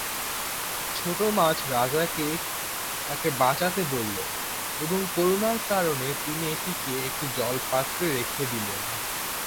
ছোট মাছ রাজাকে তাকে বাঁচাতে বলল, এবং করুণার কারণে তিনি এটিকে একটি জল পাত্রে রেখে দিলেন।